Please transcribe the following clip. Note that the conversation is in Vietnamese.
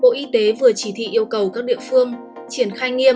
bộ y tế vừa chỉ thị yêu cầu các địa phương triển khai nghiêm